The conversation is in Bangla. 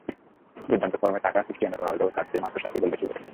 দুর্দান্ত ফর্মে থাকা ক্রিস্টিয়ানো রোনালদোও তাঁর চেয়ে মাত্র সাতটি গোল বেশি করেছেন।